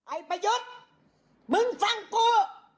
ประยุทธ์มึงฟังกู